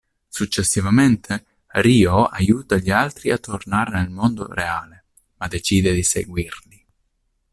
Successivamente, Ryō aiuta gli altri a tornare nel mondo reale, ma decide di seguirli.